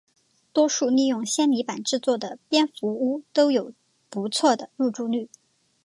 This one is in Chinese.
多数利用纤泥板制作的蝙蝠屋都有不错的入住率。